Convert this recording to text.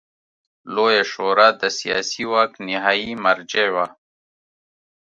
لویه شورا د سیاسي واک نهايي مرجع وه.